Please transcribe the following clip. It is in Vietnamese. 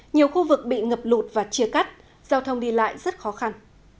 nhiều khu vực bị ngập lụt và chia cắt giao thông đi lại rất khó khăn